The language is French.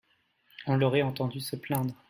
On l'aurait entendu se plaindre.